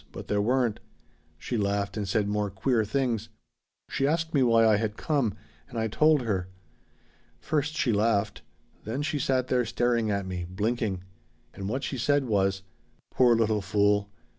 But there weren't. She laughed and said more queer things. She asked me why I had come, and I told her. First she laughed. Then she sat there staring at me blinking. And what she said was: 'Poor little fool.